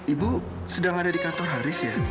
ibu sedang ada di kantor haris ya